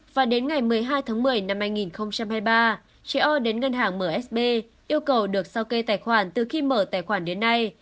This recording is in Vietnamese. và đến ngày một mươi hai tháng một mươi năm hai nghìn hai mươi ba chị o đến ngân hàng msb yêu cầu được sao kê tài khoản từ khi mở tài khoản đến nay